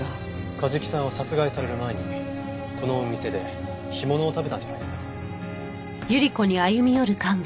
梶木さんは殺害される前にこのお店で干物を食べたんじゃないですか？